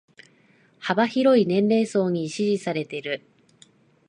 幅広い年齢層に支持されてる